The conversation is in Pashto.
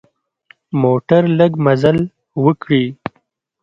موټر لږ مزل وکړي.